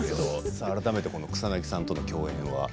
改めて草なぎさんとの共演は？